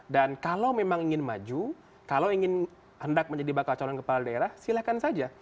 kalau memang ingin maju kalau ingin hendak menjadi bakal calon kepala daerah silahkan saja